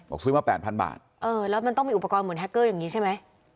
ซื้อมา๘๐๐บาทเออแล้วมันต้องมีอุปกรณ์เหมือนแฮคเกอร์อย่างนี้ใช่ไหม